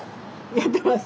やってます。